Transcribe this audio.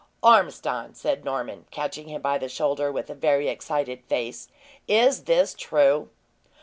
"Ormiston," said Norman, catching him by the shoulder, with a very excited face, "is this true?"